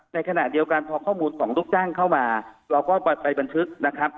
ในขณะเดียวกันพอข้อมูลของลูกจ้างเข้ามาเราก็ไปบันทึกนะครับ